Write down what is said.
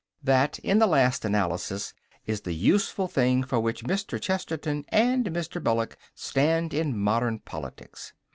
That, in the last analysis, is the useful thing for which Mr. Chesterton and Mr. Belloc stand in modern politics.